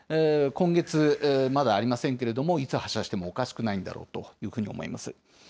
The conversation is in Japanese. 今月まだありませんけれども、いつ発射してもおかしくないんだろうというふうに思います。